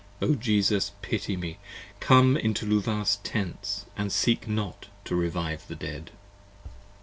O Jesus pity me! Come into Luvah's Tents and seek not to revive the Dead!